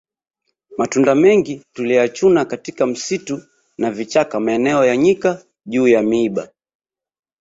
Matunda mengi tuliyachuma katika msitu na vichaka maeneo ya nyika juu ya miiba